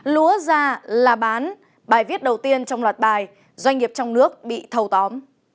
lúa ra là bán bài viết đầu tiên trong loạt bài doanh nghiệp trong nước bị thâu tóm